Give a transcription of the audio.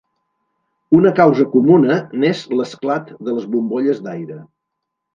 Una causa comuna n'és l'esclat de les bombolles d'aire.